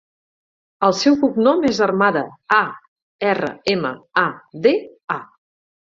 El seu cognom és Armada: a, erra, ema, a, de, a.